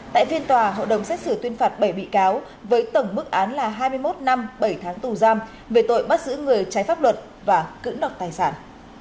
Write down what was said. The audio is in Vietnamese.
tại phiên tòa hội đồng xét xử tuyên phạt bảy bị cáo với tổng mức án là hai mươi một năm bảy tháng tù giam về tội bắt giữ người trái pháp luật và cưỡng đọc tài sản